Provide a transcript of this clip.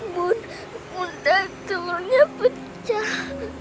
bunda bunda telurnya pecah